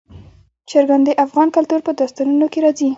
چرګان د افغان کلتور په داستانونو کې راځي.